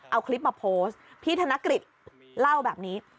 เอาคลิปมาโพสต์พี่ธนกฤษเล่าแบบนี้